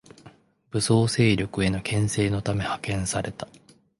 武装勢力への牽制のため派遣された